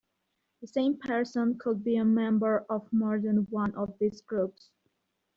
The same person could be a member of more than one of these groups.